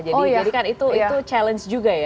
jadi kan itu challenge juga ya